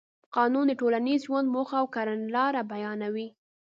قانون د ټولنیز ژوند موخه او کړنلاره بیانوي.